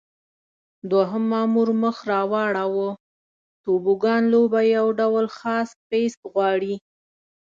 دوهم مامور مخ را واړاوه: توبوګان لوبه یو ډول خاص پېست غواړي.